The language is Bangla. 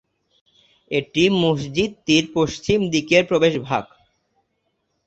এটি মসজিদটির পশ্চিম দিকের প্রবেশভাগ।